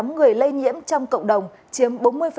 một trăm linh tám người lây nhiễm trong cộng đồng chiếm bốn mươi ba